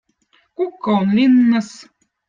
kukko on linnõz